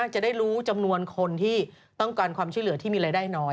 จะได้รู้จำนวนคนที่ต้องการความช่วยเหลือที่มีรายได้น้อย